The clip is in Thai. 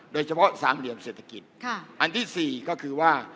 โดยเฉพาะสามเหลี่ยมเศรษฐกิจอันที่๔ก็คือว่า